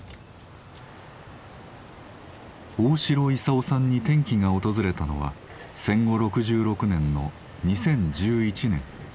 大城勲さんに転機が訪れたのは戦後６６年の２０１１年。